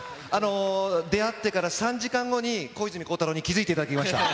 出会ってから３時間後に、小泉孝太郎に気付いていただきました。